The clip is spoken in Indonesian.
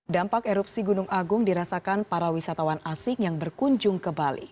dampak erupsi gunung agung dirasakan para wisatawan asing yang berkunjung ke bali